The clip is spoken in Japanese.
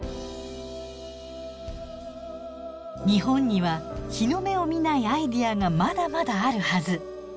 日本には日の目を見ないアイデアがまだまだあるはず。